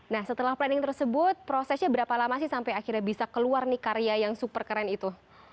nah setelah planning tersebut prosesnya berapa lama sih sampai akhirnya bisa keluar nih karya yang super keren itu